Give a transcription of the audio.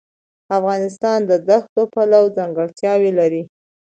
افغانستان د دښتو پلوه ځانګړتیاوې لري.